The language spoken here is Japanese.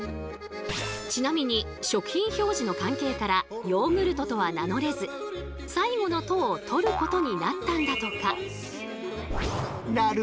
ちなみに食品表示の関係からヨーグルトとは名乗れず最後の「ト」を取ることになったんだとか。